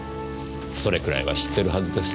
それくらいは知っているはずです。